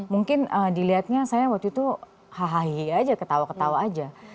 mungkin dilihatnya saya waktu itu ahy aja ketawa ketawa aja